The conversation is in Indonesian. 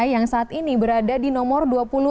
yang saat ini berada di nomor dua puluh enam